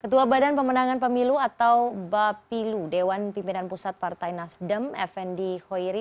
ketua badan pemenangan pemilu atau bapilu dewan pimpinan pusat partai nasdem fnd hoiri